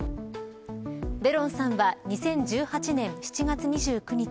ベロンさんは２０１８年７月２９日